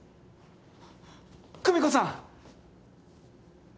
久美子さん！